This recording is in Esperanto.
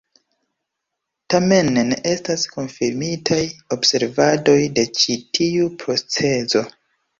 Tamen, ne estas konfirmitaj observadoj de ĉi tiu procezo.